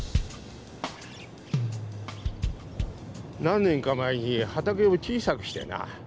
何年か前に畑を小さくしてな。